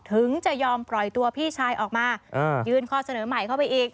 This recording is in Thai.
ถึงจะยอมปล่อยตัวพี่ชายออกมายื่นข้อเสนอใหม่เข้าไปอีก